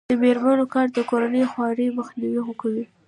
د میرمنو کار د کورنۍ خوارۍ مخنیوی کوي.